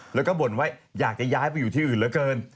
แล้วก็บ่นว่าอยากจะย้ายไปอยู่ที่อื่นเหลือเกิน